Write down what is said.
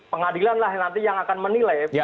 pengadilan lah nanti yang akan menilai